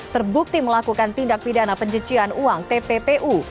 terbukti melakukan tindak pidana pencucian uang tppu